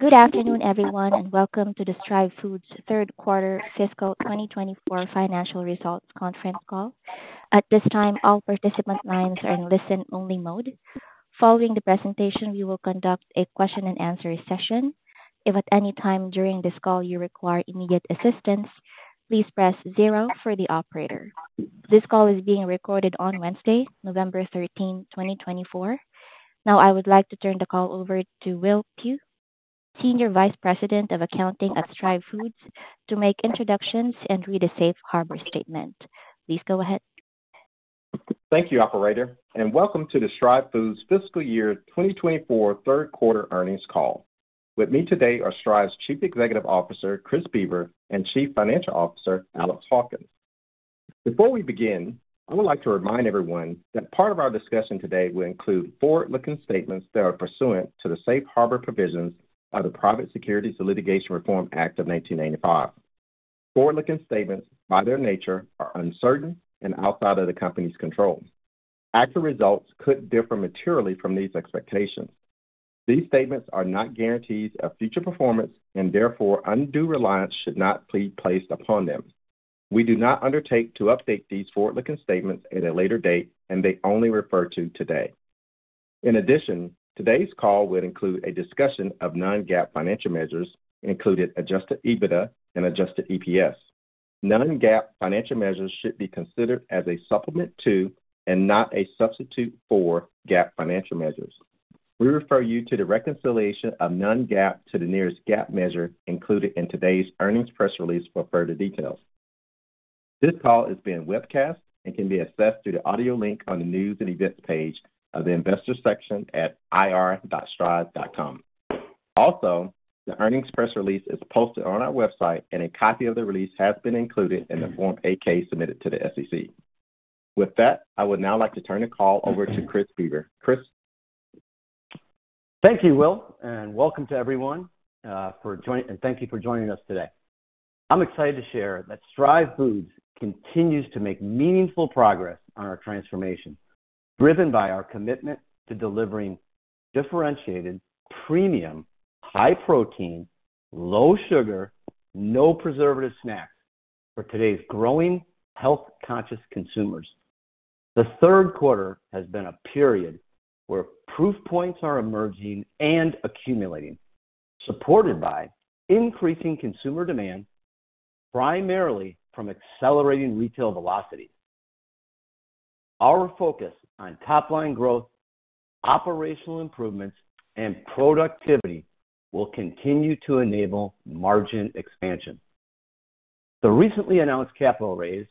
Good afternoon, everyone, and welcome to the Stryve Foods third quarter fiscal 2024 financial results conference call. At this time, all participant lines are in listen-only mode. Following the presentation, we will conduct a question-and-answer session. If at any time during this call you require immediate assistance, please press zero for the operator. This call is being recorded on Wednesday, November 13, 2024. Now, I would like to turn the call over to Will Pugh, Senior Vice President of Accounting at Stryve Foods, to make introductions and read a Safe Harbor Statement. Please go ahead. Thank you, Operator, and welcome to the Stryve Foods fiscal year 2024 third quarter earnings call. With me today are Stryve's Chief Executive Officer, Chris Boever, and Chief Financial Officer, Alex Hawkins. Before we begin, I would like to remind everyone that part of our discussion today will include forward-looking statements that are pursuant to the Safe Harbor Provisions of the Private Securities Litigation Reform Act of 1985. Forward-looking statements, by their nature, are uncertain and outside of the company's control. Actual results could differ materially from these expectations. These statements are not guarantees of future performance, and therefore, undue reliance should not be placed upon them. We do not undertake to update these forward-looking statements at a later date, and they only refer to today. In addition, today's call will include a discussion of non-GAAP financial measures, including adjusted EBITDA and adjusted EPS. Non-GAAP financial measures should be considered as a supplement to and not a substitute for GAAP financial measures. We refer you to the reconciliation of non-GAAP to the nearest GAAP measure included in today's earnings press release for further details. This call is being webcast and can be assessed through the audio link on the news and events page of the investor section at ir.stryve.com. Also, the earnings press release is posted on our website, and a copy of the release has been included in the Form 8-K submitted to the SEC. With that, I would now like to turn the call over to Chris Boever. Chris. Thank you, Will, and welcome to everyone for joining, and thank you for joining us today. I'm excited to share that Stryve Foods continues to make meaningful progress on our transformation, driven by our commitment to delivering differentiated, premium, high-protein, low-sugar, no-preservative snacks for today's growing health-conscious consumers. The third quarter has been a period where proof points are emerging and accumulating, supported by increasing consumer demand, primarily from accelerating retail velocity. Our focus on top-line growth, operational improvements, and productivity will continue to enable margin expansion. The recently announced capital raise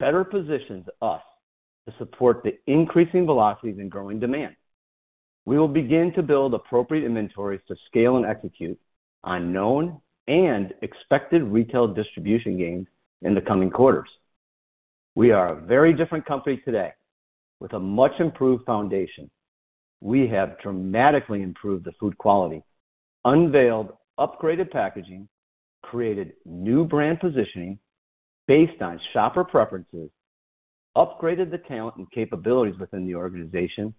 better positions us to support the increasing velocities and growing demand. We will begin to build appropriate inventories to scale and execute on known and expected retail distribution gains in the coming quarters. We are a very different company today, with a much-improved foundation. We have dramatically improved the food quality, unveiled upgraded packaging, created new brand positioning based on shopper preferences, upgraded the talent and capabilities within the organization,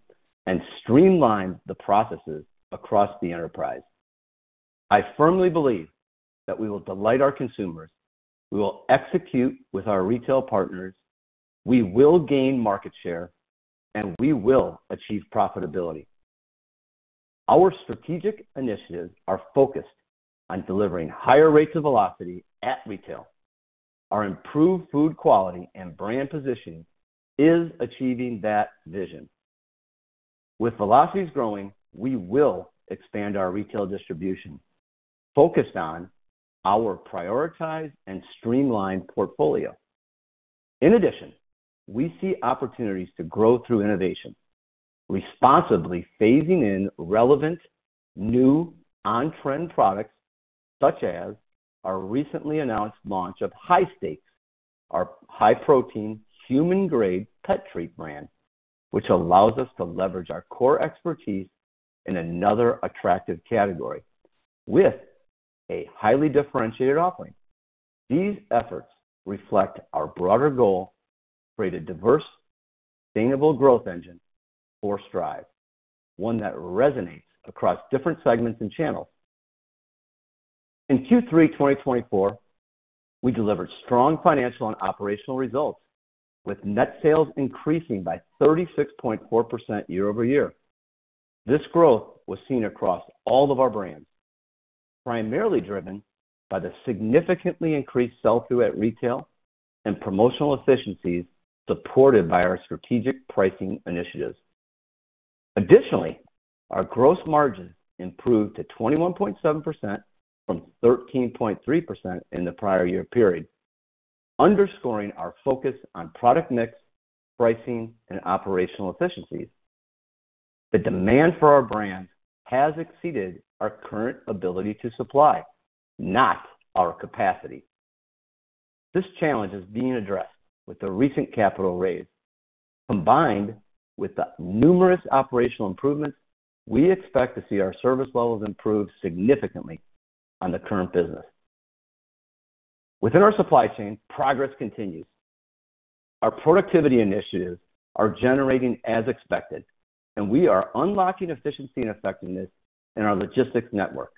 and streamlined the processes across the enterprise. I firmly believe that we will delight our consumers, we will execute with our retail partners, we will gain market share, and we will achieve profitability. Our strategic initiatives are focused on delivering higher rates of velocity at retail. Our improved food quality and brand positioning is achieving that vision. With velocities growing, we will expand our retail distribution, focused on our prioritized and streamlined portfolio. In addition, we see opportunities to grow through innovation, responsibly phasing in relevant new on-trend products, such as our recently announced launch of High Stakes, our high-protein, human-grade pet treat brand, which allows us to leverage our core expertise in another attractive category with a highly differentiated offering. These efforts reflect our broader goal: create a diverse, sustainable growth engine for Stryve, one that resonates across different segments and channels. In Q3 2024, we delivered strong financial and operational results, with net sales increasing by 36.4% year over year. This growth was seen across all of our brands, primarily driven by the significantly increased sell-through at retail and promotional efficiencies supported by our strategic pricing initiatives. Additionally, our gross margins improved to 21.7% from 13.3% in the prior year period, underscoring our focus on product mix, pricing, and operational efficiencies. The demand for our brands has exceeded our current ability to supply, not our capacity. This challenge is being addressed with the recent capital raise, combined with the numerous operational improvements we expect to see our service levels improve significantly on the current business. Within our supply chain, progress continues. Our productivity initiatives are generating as expected, and we are unlocking efficiency and effectiveness in our logistics network.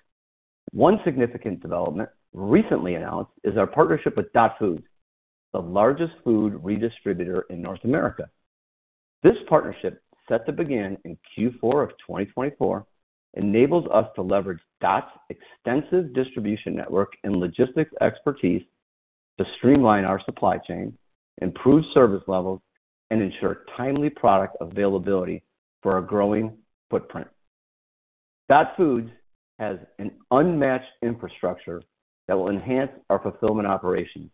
One significant development recently announced is our partnership with Dot Foods, the largest food redistributor in North America. This partnership, set to begin in Q4 of 2024, enables us to leverage Dot's extensive distribution network and logistics expertise to streamline our supply chain, improve service levels, and ensure timely product availability for our growing footprint. Dot Foods has an unmatched infrastructure that will enhance our fulfillment operations,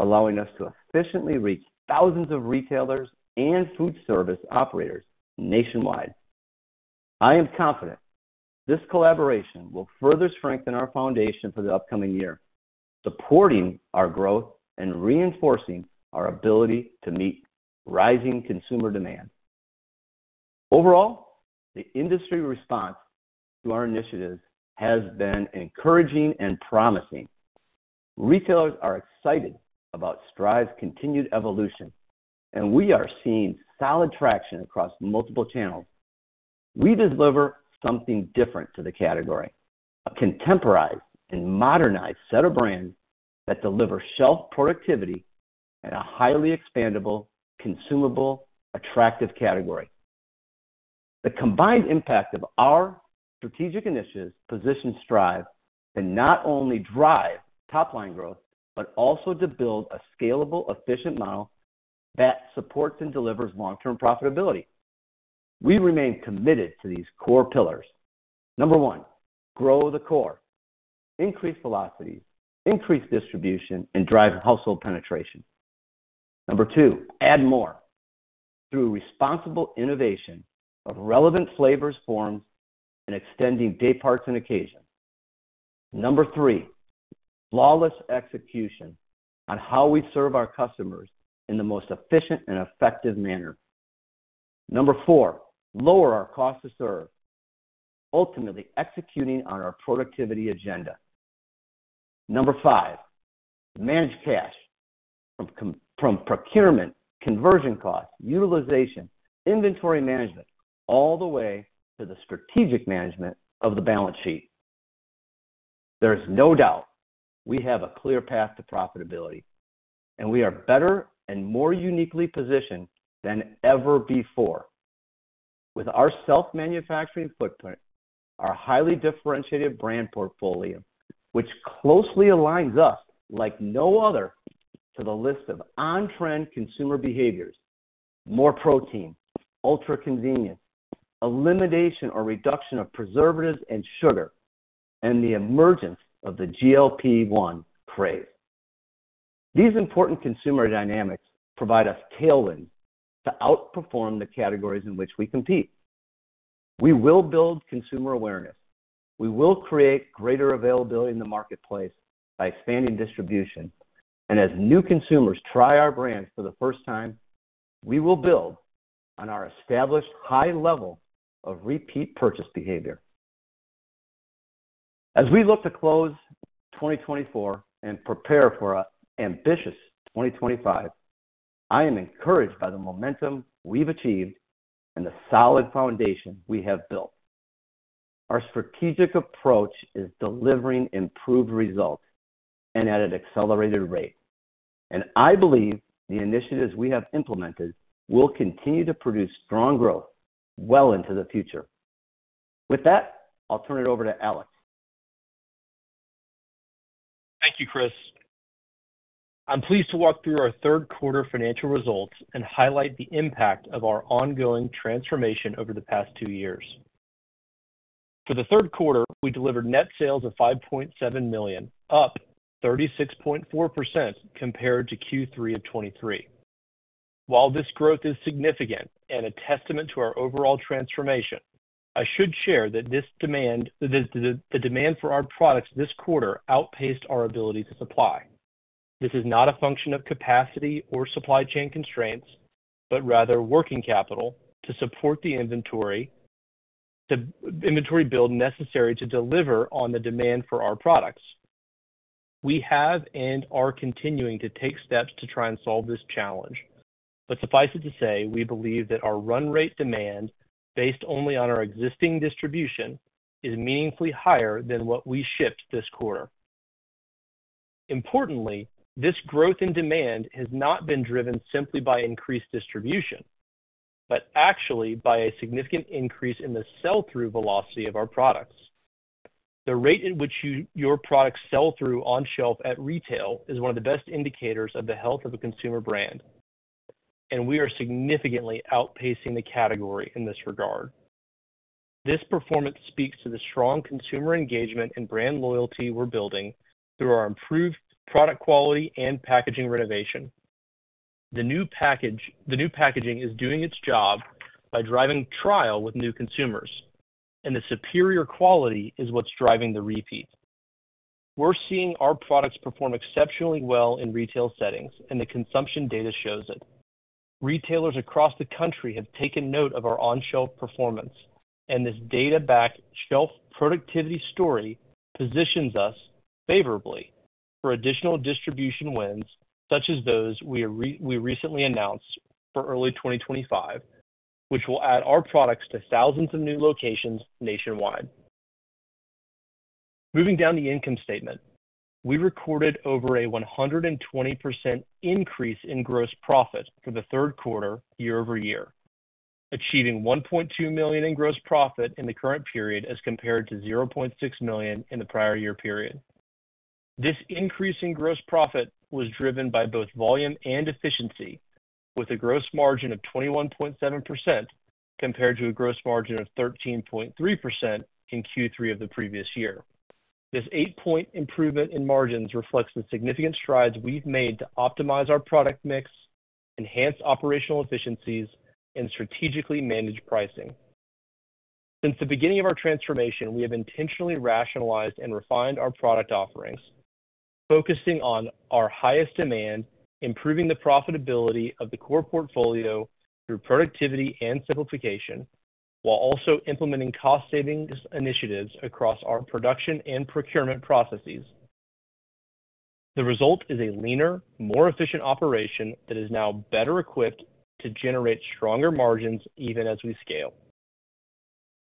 allowing us to efficiently reach thousands of retailers and food service operators nationwide. I am confident this collaboration will further strengthen our foundation for the upcoming year, supporting our growth and reinforcing our ability to meet rising consumer demand. Overall, the industry response to our initiatives has been encouraging and promising. Retailers are excited about Stryve's continued evolution, and we are seeing solid traction across multiple channels. We deliver something different to the category: a contemporized and modernized set of brands that deliver shelf productivity and a highly expandable, consumable, attractive category. The combined impact of our strategic initiatives positions Stryve to not only drive top-line growth, but also to build a scalable, efficient model that supports and delivers long-term profitability. We remain committed to these core pillars. Number one, grow the core. Increase velocities, increase distribution, and drive household penetration. Number two, add more through responsible innovation of relevant flavors, forms, and extending day parts and occasions. Number three, flawless execution on how we serve our customers in the most efficient and effective manner. Number four, lower our cost to serve, ultimately executing on our productivity agenda. Number five, manage cash from procurement, conversion costs, utilization, inventory management, all the way to the strategic management of the balance sheet. There is no doubt we have a clear path to profitability, and we are better and more uniquely positioned than ever before. With our self-manufacturing footprint, our highly differentiated brand portfolio, which closely aligns us like no other to the list of on-trend consumer behaviors: more protein, ultra-convenience, elimination or reduction of preservatives and sugar, and the emergence of the GLP-1 craze. These important consumer dynamics provide us tailwinds to outperform the categories in which we compete. We will build consumer awareness. We will create greater availability in the marketplace by expanding distribution. And as new consumers try our brand for the first time, we will build on our established high level of repeat purchase behavior. As we look to close 2024 and prepare for an ambitious 2025, I am encouraged by the momentum we've achieved and the solid foundation we have built. Our strategic approach is delivering improved results and at an accelerated rate, and I believe the initiatives we have implemented will continue to produce strong growth well into the future. With that, I'll turn it over to Alex. Thank you, Chris. I'm pleased to walk through our third quarter financial results and highlight the impact of our ongoing transformation over the past two years. For the third quarter, we delivered net sales of $5.7 million, up 36.4% compared to Q3 of 2023. While this growth is significant and a testament to our overall transformation, I should share that the demand for our products this quarter outpaced our ability to supply. This is not a function of capacity or supply chain constraints, but rather working capital to support the inventory build necessary to deliver on the demand for our products. We have and are continuing to take steps to try and solve this challenge. But suffice it to say, we believe that our run rate demand, based only on our existing distribution, is meaningfully higher than what we shipped this quarter. Importantly, this growth in demand has not been driven simply by increased distribution, but actually by a significant increase in the sell-through velocity of our products. The rate at which your products sell through on shelf at retail is one of the best indicators of the health of a consumer brand, and we are significantly outpacing the category in this regard. This performance speaks to the strong consumer engagement and brand loyalty we're building through our improved product quality and packaging renovation. The new packaging is doing its job by driving trial with new consumers, and the superior quality is what's driving the repeat. We're seeing our products perform exceptionally well in retail settings, and the consumption data shows it. Retailers across the country have taken note of our on-shelf performance, and this data-backed shelf productivity story positions us favorably for additional distribution wins, such as those we recently announced for early 2025, which will add our products to thousands of new locations nationwide. Moving down the income statement, we recorded over a 120% increase in gross profit for the third quarter year over year, achieving $1.2 million in gross profit in the current period as compared to $0.6 million in the prior year period. This increase in gross profit was driven by both volume and efficiency, with a gross margin of 21.7% compared to a gross margin of 13.3% in Q3 of the previous year. This eight-point improvement in margins reflects the significant strides we've made to optimize our product mix, enhance operational efficiencies, and strategically manage pricing. Since the beginning of our transformation, we have intentionally rationalized and refined our product offerings, focusing on our highest demand, improving the profitability of the core portfolio through productivity and simplification, while also implementing cost-savings initiatives across our production and procurement processes. The result is a leaner, more efficient operation that is now better equipped to generate stronger margins even as we scale.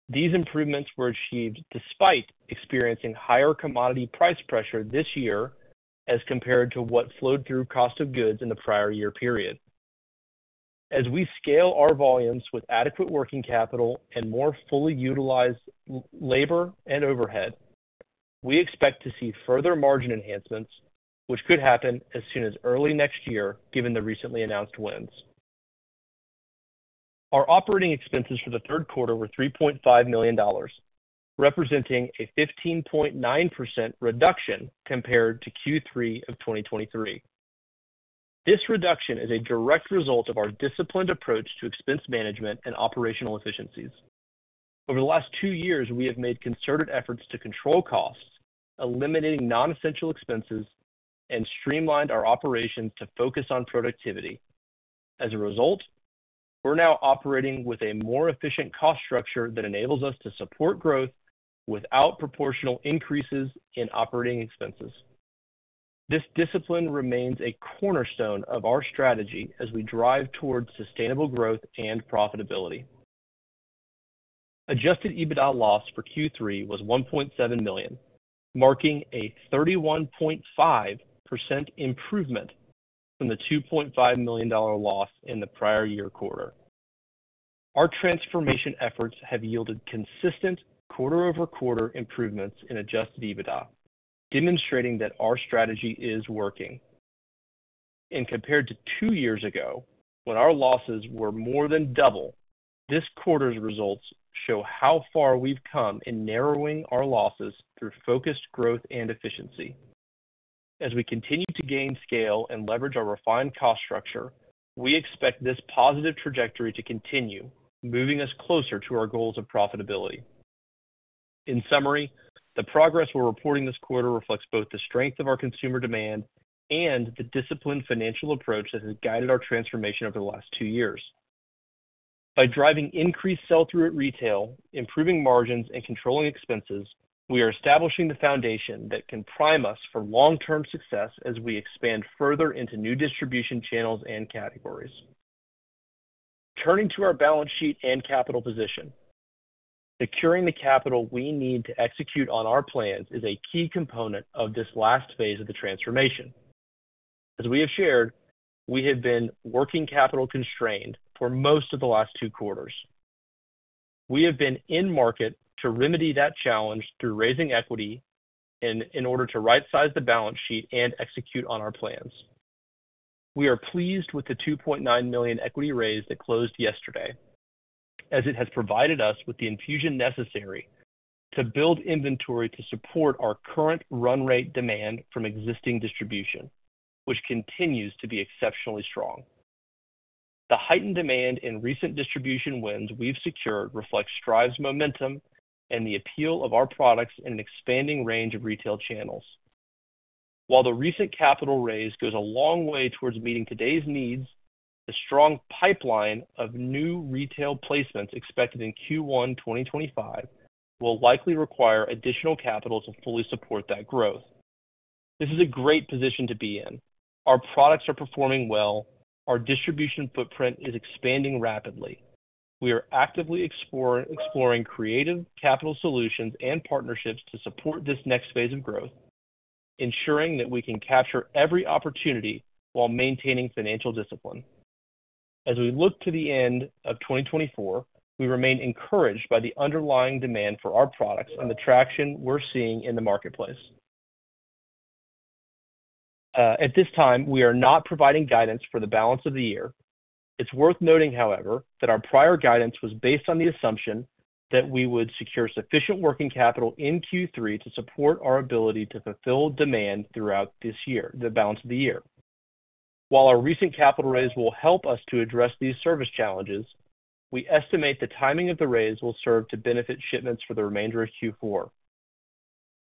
These improvements were achieved despite experiencing higher commodity price pressure this year as compared to what flowed through cost of goods in the prior year period. As we scale our volumes with adequate working capital and more fully utilized labor and overhead, we expect to see further margin enhancements, which could happen as soon as early next year, given the recently announced wins. Our operating expenses for the third quarter were $3.5 million, representing a 15.9% reduction compared to Q3 of 2023. This reduction is a direct result of our disciplined approach to expense management and operational efficiencies. Over the last two years, we have made concerted efforts to control costs, eliminating nonessential expenses, and streamlined our operations to focus on productivity. As a result, we're now operating with a more efficient cost structure that enables us to support growth without proportional increases in operating expenses. This discipline remains a cornerstone of our strategy as we drive toward sustainable growth and profitability. Adjusted EBITDA loss for Q3 was $1.7 million, marking a 31.5% improvement from the $2.5 million loss in the prior year quarter. Our transformation efforts have yielded consistent quarter-over-quarter improvements in adjusted EBITDA, demonstrating that our strategy is working, and compared to two years ago, when our losses were more than double, this quarter's results show how far we've come in narrowing our losses through focused growth and efficiency. As we continue to gain scale and leverage our refined cost structure, we expect this positive trajectory to continue, moving us closer to our goals of profitability. In summary, the progress we're reporting this quarter reflects both the strength of our consumer demand and the disciplined financial approach that has guided our transformation over the last two years. By driving increased sell-through at retail, improving margins, and controlling expenses, we are establishing the foundation that can prime us for long-term success as we expand further into new distribution channels and categories. Turning to our balance sheet and capital position, securing the capital we need to execute on our plans is a key component of this last phase of the transformation. As we have shared, we have been working capital constrained for most of the last two quarters. We have been in market to remedy that challenge through raising equity in order to right-size the balance sheet and execute on our plans. We are pleased with the $2.9 million equity raise that closed yesterday, as it has provided us with the infusion necessary to build inventory to support our current run rate demand from existing distribution, which continues to be exceptionally strong. The heightened demand and recent distribution wins we've secured reflect Stryve's momentum and the appeal of our products in an expanding range of retail channels. While the recent capital raise goes a long way towards meeting today's needs, the strong pipeline of new retail placements expected in Q1 2025 will likely require additional capital to fully support that growth. This is a great position to be in. Our products are performing well. Our distribution footprint is expanding rapidly. We are actively exploring creative capital solutions and partnerships to support this next phase of growth, ensuring that we can capture every opportunity while maintaining financial discipline. As we look to the end of 2024, we remain encouraged by the underlying demand for our products and the traction we're seeing in the marketplace. At this time, we are not providing guidance for the balance of the year. It's worth noting, however, that our prior guidance was based on the assumption that we would secure sufficient working capital in Q3 to support our ability to fulfill demand throughout this year, the balance of the year. While our recent capital raise will help us to address these service challenges, we estimate the timing of the raise will serve to benefit shipments for the remainder of Q4.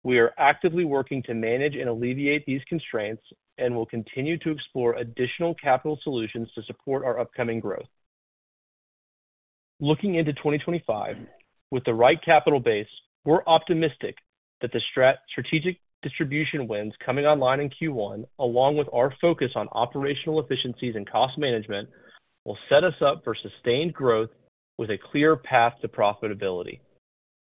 We are actively working to manage and alleviate these constraints and will continue to explore additional capital solutions to support our upcoming growth. Looking into 2025, with the right capital base, we're optimistic that the strategic distribution wins coming online in Q1, along with our focus on operational efficiencies and cost management, will set us up for sustained growth with a clear path to profitability.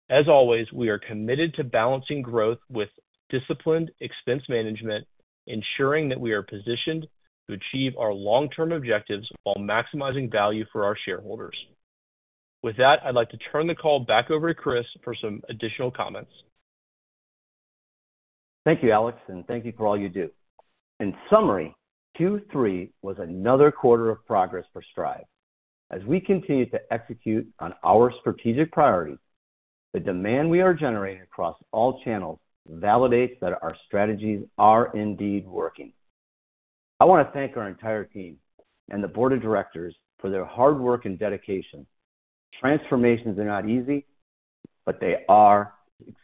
As always, we are committed to balancing growth with disciplined expense management, ensuring that we are positioned to achieve our long-term objectives while maximizing value for our shareholders. With that, I'd like to turn the call back over to Chris for some additional comments. Thank you, Alex, and thank you for all you do. In summary, Q3 was another quarter of progress for Stryve. As we continue to execute on our strategic priorities, the demand we are generating across all channels validates that our strategies are indeed working. I want to thank our entire team and the board of directors for their hard work and dedication. Transformations are not easy, but they are,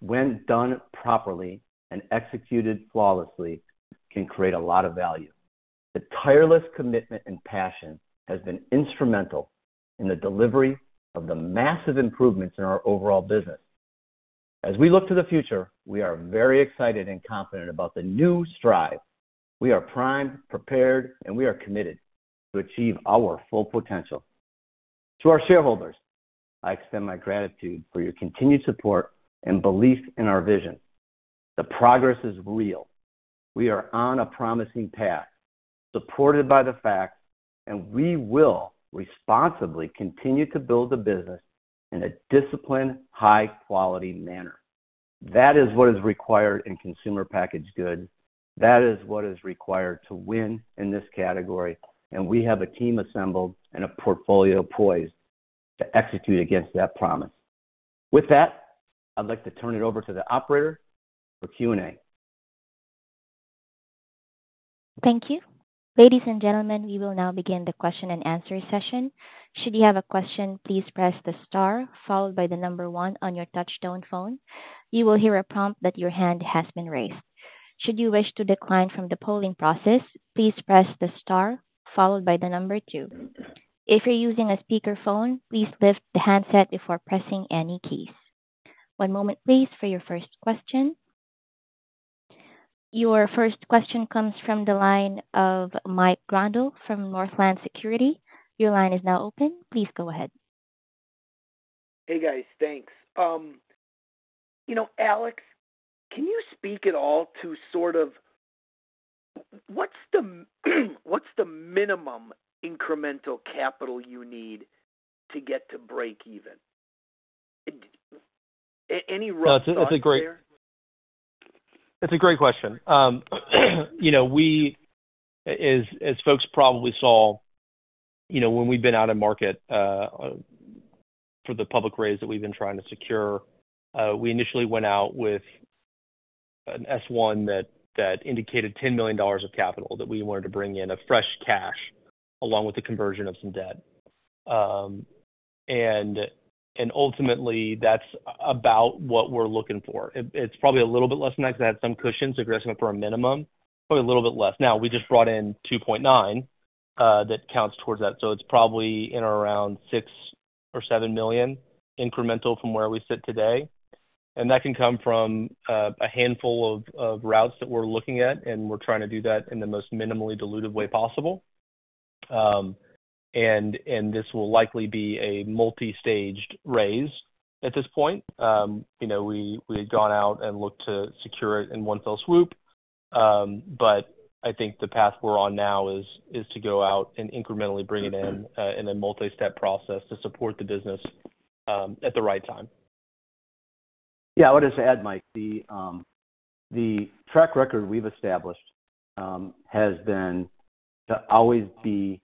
when done properly and executed flawlessly, can create a lot of value. The tireless commitment and passion have been instrumental in the delivery of the massive improvements in our overall business. As we look to the future, we are very excited and confident about the new Stryve. We are primed, prepared, and we are committed to achieve our full potential. To our shareholders, I extend my gratitude for your continued support and belief in our vision. The progress is real. We are on a promising path, supported by the facts, and we will responsibly continue to build the business in a disciplined, high-quality manner. That is what is required in consumer packaged goods. That is what is required to win in this category, and we have a team assembled and a portfolio poised to execute against that promise. With that, I'd like to turn it over to the operator for Q&A. Thank you. Ladies and gentlemen, we will now begin the question and answer session. Should you have a question, please press the star, followed by the number one on your touch-tone phone. You will hear a prompt that your hand has been raised. Should you wish to decline from the polling process, please press the star, followed by the number two. If you're using a speakerphone, please lift the handset before pressing any keys. One moment, please, for your first question. Your first question comes from the line of Mike Grondahl from Northland Securities. Your line is now open. Please go ahead. Hey, guys. Thanks. You know, Alex, can you speak at all to sort of what's the minimum incremental capital you need to get to break even? Any rough figure? That's a great question. You know, as folks probably saw, you know, when we've been out to market for the public raise that we've been trying to secure, we initially went out with an S-1 that indicated $10 million of capital that we wanted to bring in, fresh cash, along with the conversion of some debt. And ultimately, that's about what we're looking for. It's probably a little bit less than that because it had some cushions. If you're asking for a minimum, probably a little bit less. Now, we just brought in $2.9 that counts towards that. So it's probably in or around six or seven million incremental from where we sit today. And that can come from a handful of routes that we're looking at, and we're trying to do that in the most minimally diluted way possible. This will likely be a multi-staged raise at this point. You know, we had gone out and looked to secure it in one fell swoop, but I think the path we're on now is to go out and incrementally bring it in in a multi-step process to support the business at the right time. Yeah. I would just add, Mike, the track record we've established has been to always be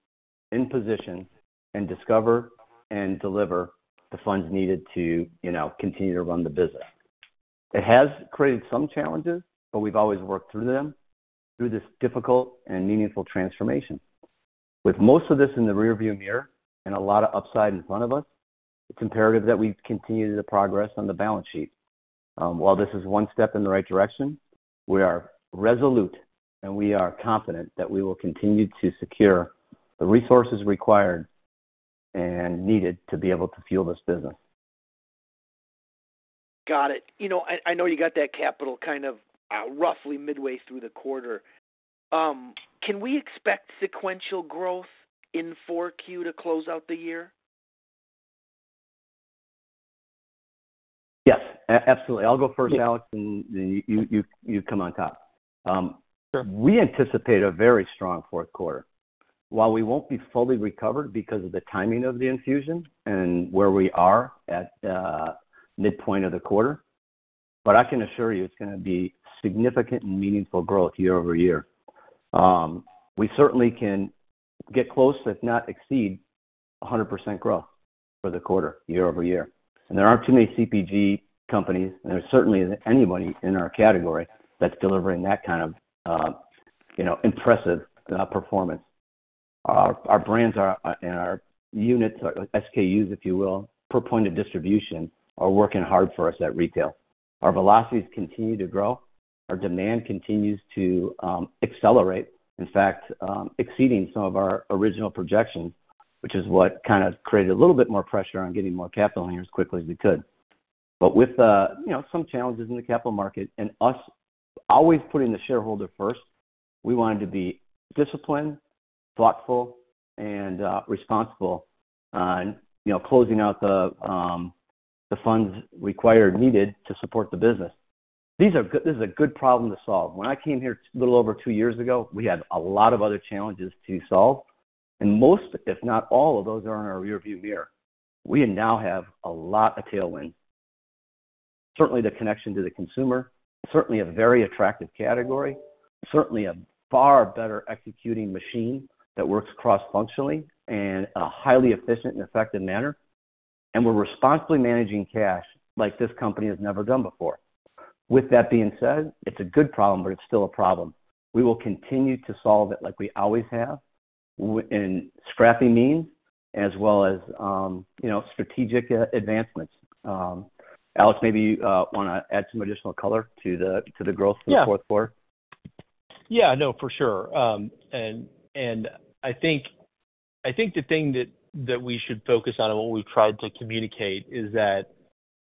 in position and discover and deliver the funds needed to continue to run the business. It has created some challenges, but we've always worked through them through this difficult and meaningful transformation. With most of this in the rearview mirror and a lot of upside in front of us, it's imperative that we continue the progress on the balance sheet. While this is one step in the right direction, we are resolute, and we are confident that we will continue to secure the resources required and needed to be able to fuel this business. Got it. You know, I know you got that capital kind of roughly midway through the quarter. Can we expect sequential growth in Q4 to close out the year? Yes. Absolutely. I'll go first, Alex, and then you come on top. We anticipate a very strong fourth quarter. While we won't be fully recovered because of the timing of the infusion and where we are at midpoint of the quarter, but I can assure you it's going to be significant and meaningful growth year over year. We certainly can get close, if not exceed, 100% growth for the quarter year over year. There aren't too many CPG companies, and there certainly isn't anybody in our category that's delivering that kind of impressive performance. Our brands and our units, or SKUs, if you will, per point of distribution, are working hard for us at retail. Our velocities continue to grow. Our demand continues to accelerate, in fact, exceeding some of our original projections, which is what kind of created a little bit more pressure on getting more capital in here as quickly as we could. But with some challenges in the capital market and us always putting the shareholder first, we wanted to be disciplined, thoughtful, and responsible on closing out the funds required, needed to support the business. This is a good problem to solve. When I came here a little over two years ago, we had a lot of other challenges to solve, and most, if not all of those, are in our rearview mirror. We now have a lot of tailwinds. Certainly, the connection to the consumer, certainly a very attractive category, certainly a far better executing machine that works cross-functionally in a highly efficient and effective manner, and we're responsibly managing cash like this company has never done before. With that being said, it's a good problem, but it's still a problem. We will continue to solve it like we always have in scrappy means as well as strategic advancements. Alex, maybe you want to add some additional color to the growth for the fourth quarter? Yeah. Yeah. No, for sure. And I think the thing that we should focus on and what we've tried to communicate is that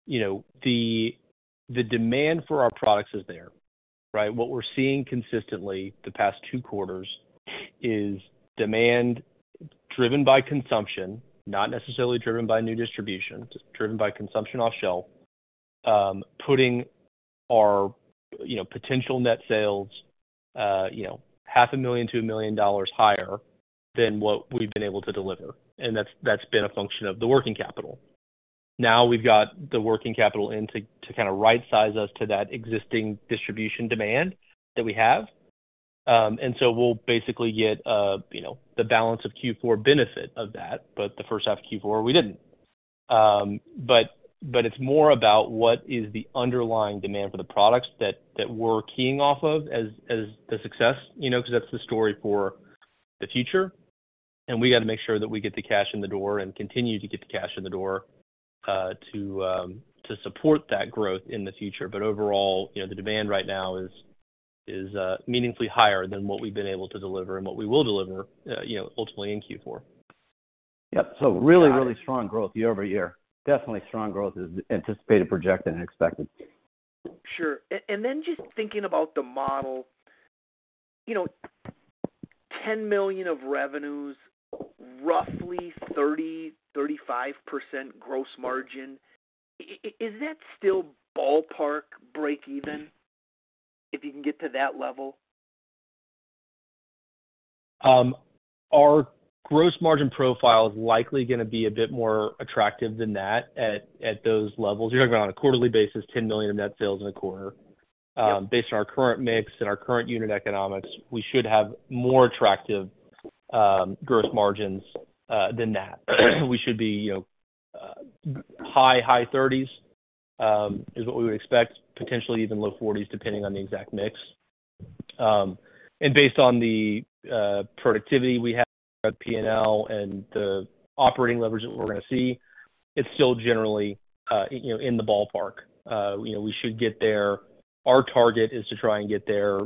the demand for our products is there, right? What we're seeing consistently the past two quarters is demand driven by consumption, not necessarily driven by new distribution, just driven by consumption off shelf, putting our potential net sales $500,000-$2 million higher than what we've been able to deliver. And that's been a function of the working capital. Now we've got the working capital in to kind of right-size us to that existing distribution demand that we have. And so we'll basically get the balance of Q4 benefit of that, but the first half of Q4, we didn't. But it's more about what is the underlying demand for the products that we're keying off of as the success, because that's the story for the future. And we got to make sure that we get the cash in the door and continue to get the cash in the door to support that growth in the future. But overall, the demand right now is meaningfully higher than what we've been able to deliver and what we will deliver ultimately in Q4. Yep, so really, really strong growth year over year. Definitely strong growth is anticipated, projected, and expected. Sure. And then just thinking about the model, $10 million of revenues, roughly 30%-35% gross margin, is that still ballpark break-even if you can get to that level? Our gross margin profile is likely going to be a bit more attractive than that at those levels. You're talking about on a quarterly basis, $10 million of net sales in a quarter. Based on our current mix and our current unit economics, we should have more attractive gross margins than that. We should be high 30s is what we would expect, potentially even low 40s depending on the exact mix, and based on the productivity we have at P&L and the operating leverage that we're going to see, it's still generally in the ballpark. We should get there. Our target is to try and get there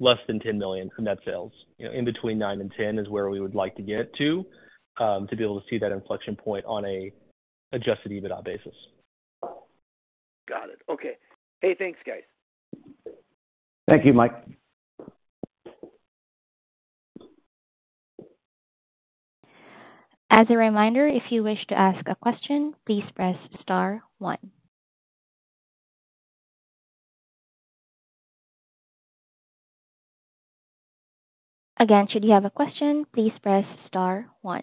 less than $10 million in net sales. In between $9 million and $10 million is where we would like to get to, to be able to see that inflection point on an Adjusted EBITDA basis. Got it. Okay. Hey, thanks, guys. Thank you, Mike. As a reminder, if you wish to ask a question, please press star one. Again, should you have a question, please press star one.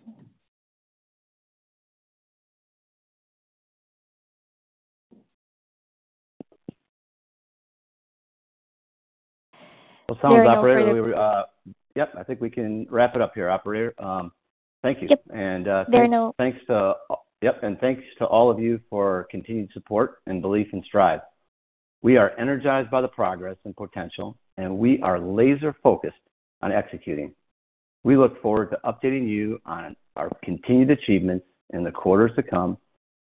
Well, sounds, Operator. Yep. I think we can wrap it up here, Operator. Thank you. Yep. There are no. Yep. And thanks to all of you for continued support and belief in Stryve. We are energized by the progress and potential, and we are laser-focused on executing. We look forward to updating you on our continued achievements in the quarters to come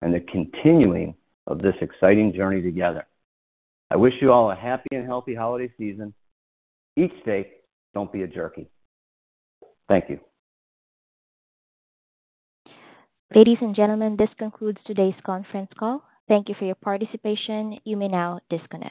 and the continuing of this exciting journey together. I wish you all a happy and healthy holiday season. Each day, don't be a jerky. Thank you. Ladies and gentlemen, this concludes today's conference call. Thank you for your participation. You may now disconnect.